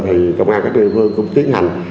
thì công an các địa phương cũng tiến hành